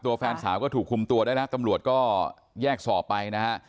แฟนสาวก็ถูกคุมตัวได้แล้วตำรวจก็แยกสอบไปนะฮะ